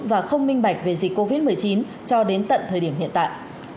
và không minh bạch về dịch covid một mươi chín cho đến tận thời điểm hiện tại